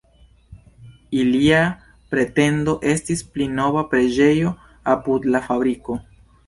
Ilia pretendo estis pli nova preĝejo apud la fabriko.